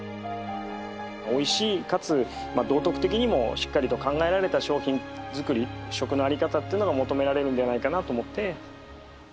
美味しいかつ道徳的にもしっかりと考えられた商品作り食のあり方っていうのが求められるんじゃないかなと思って。